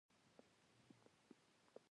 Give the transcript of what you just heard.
زه د تاریخي پېښو یادونه ساتم.